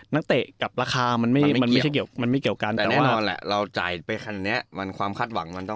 นักเตะกับราคามันไม่เกี่ยวกันแต่แน่นอนแหละเราจ่ายไปคันนี้ความคาดหวังมันต้อง